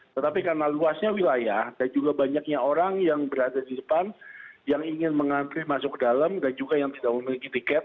tetapi karena luasnya wilayah dan juga banyaknya orang yang berada di depan yang ingin mengantri masuk ke dalam dan juga yang tidak memiliki tiket